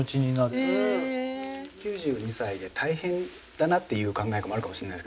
９２歳で大変だなっていう考えもあるかもしれないですけど